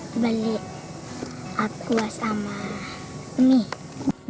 buat beli akua sama mie